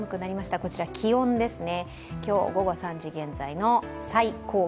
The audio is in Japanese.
こちら気温ですね。